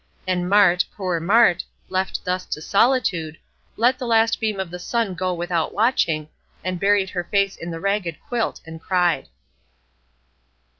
And Mart, poor Mart, left thus to solitude, let the last beam of the sun go without watching, and buried her face in the ragged quilt and cried.